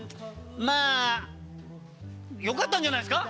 まあ、よかったんじゃないですか？